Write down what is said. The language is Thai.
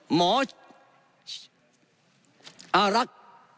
หมออารัก